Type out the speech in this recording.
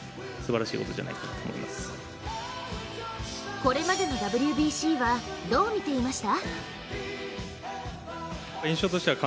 これまでのＷＢＣはどう見ていました？